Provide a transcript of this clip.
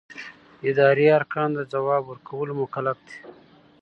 اداري ارګان د ځواب ورکولو مکلف دی.